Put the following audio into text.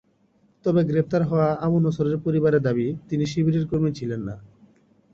তবে গ্রেপ্তার হওয়া আবু নছরের পরিবারের দাবি, তিনি শিবিরের কর্মী ছিলেন না।